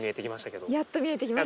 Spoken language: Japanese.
やっと見えてきました。